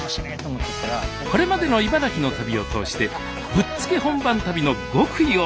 これまでの茨城の旅を通してぶっつけ本番旅の極意を学んでいきます